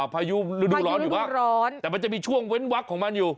พายุฤดูร้อนอยู่บ้างร้อนแต่มันจะมีช่วงเว้นวักของมันอยู่